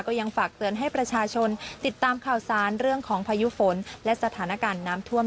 ยังฝากเตือนให้ประชาชนติดตามข่าวสารเรื่องของพายุฝนและสถานการณ์น้ำท่วม